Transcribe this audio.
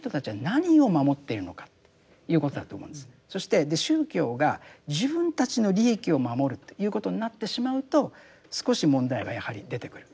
そして宗教が自分たちの利益を守るということになってしまうと少し問題がやはり出てくる。